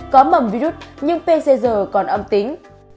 có mầm virus nhưng pcr còn ổn định